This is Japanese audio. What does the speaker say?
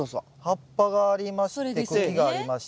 葉っぱがありまして茎がありまして。